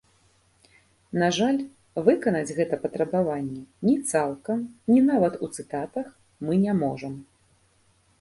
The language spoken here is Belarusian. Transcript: На жаль, выканаць гэта патрабаванне ні цалкам, ні нават у цытатах мы не можам.